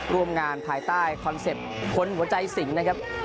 ร่วมงานภายใต้คอนเซ็ปต์คนหัวใจสิงนะครับ